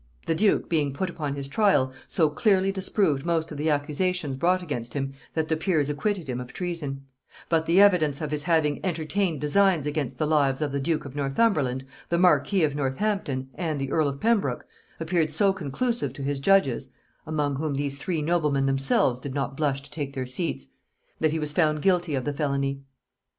The duke, being put upon his trial, so clearly disproved most of the accusations brought against him that the peers acquitted him of treason; but the evidence of his having entertained designs against the lives of the duke of Northumberland, the marquis of Northampton, and the earl of Pembroke, appeared so conclusive to his judges, among whom these three noblemen themselves did not blush to take their seats, that he was found guilty of the felony.